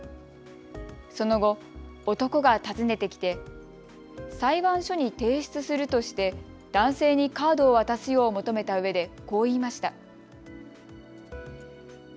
その後、男が訪ねてきて裁判所に提出するとして男性にカードを渡すよう求めたうえでこう言いました。